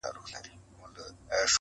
فرمانونه چي خپاره سول په ځنګلو کي؛